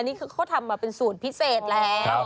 นี่คือเขาทำมาเป็นสูตรพิเศษแล้ว